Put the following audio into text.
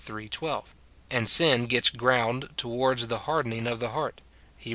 2 ; and sin gets ground to wards the hardening of the heart, Heb.